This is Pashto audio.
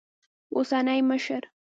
اوسني مشر